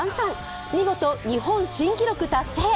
見事、日本新記録達成。